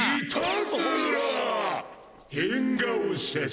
「変顔写真」。